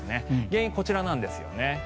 原因こちらなんですよね。